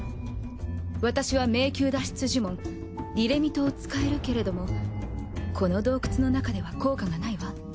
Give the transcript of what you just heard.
私は迷宮脱出呪文リレミトを使えるけれどもこの洞窟の中では効果がないわ。